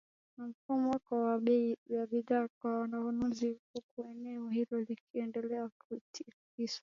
na mfumuko wa bei za bidhaa kwa wanunuzi huku eneo hilo likiendelea kutikiswa na